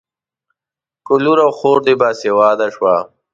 که لور او خور دې باسواده شوه.